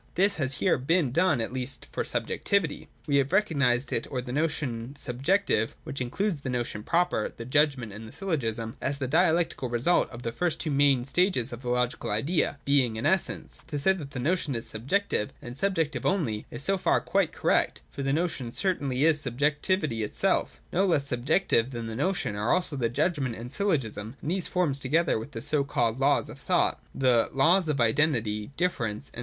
This has here been done — at least for subjectivity. We have recognised it, or the notion subjective (which includes the notion proper, the judgment, and the syllogism) as the dialectical result of the first two main stages of the Logical Idea, Being and Essence. To say that the notion is subjective and subjective only is so far quite correct : for the notion certainly is subjectivity itself Not less subjective than the notion are also the judo ment and syllogism : and these forms, together with the so called Laws of Thought (the Laws of Identity, Difference and 192,193 ] NOTION AND OBJECT.